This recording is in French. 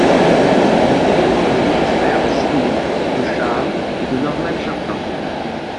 Il est également le demi-frère de Sydney, de Charles et de Norman Chaplin.